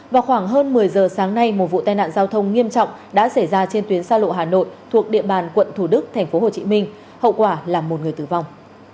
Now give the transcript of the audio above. vào khoảng hơn một mươi giờ sáng nay một vụ tai nạn giao thông nghiêm trọng đã xảy ra trên tuyến xa lộ hà nội thuộc địa bàn quận thủ đức tp hcm hậu quả là một người tử vong